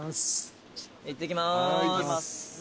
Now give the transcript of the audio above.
いってきます。